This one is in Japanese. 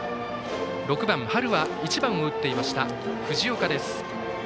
６番、春は１番を打っていました藤岡です。